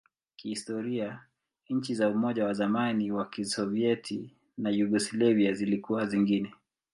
Kihistoria, nchi za Umoja wa zamani wa Kisovyeti na Yugoslavia zilikuwa zingine.